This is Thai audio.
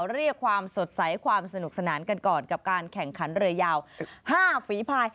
เรียกความสดใสความสนุกสนานกันก่อนกับการแข่งขันเรือยาว๕ฝีภาย